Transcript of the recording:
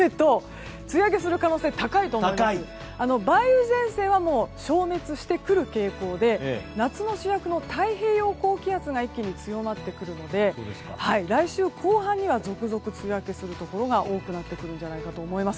梅雨前線は消滅してくる傾向で夏の太平洋高気圧が一気に強まってくるので来週後半には続々梅雨明けするところが多くなってくるんじゃないかと思います。